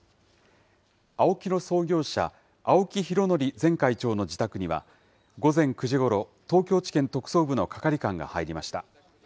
ＡＯＫＩの創業者、青木拡憲前会長の自宅には、午前９時ごろ、東京地検特捜部の係官が入りました。